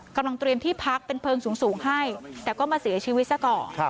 กำลังเตรียมที่พักเป็นเพลิงสูงให้แต่ก็มาเสียชีวิตซะก่อน